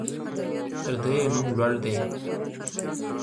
تر ده يې نوم لوړ دى.